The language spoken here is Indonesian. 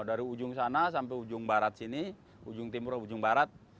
dari ujung sana sampai ujung barat sini ujung timur ujung barat